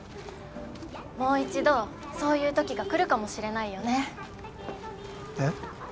もう一度そういう時がくるかもしれないよねえっ？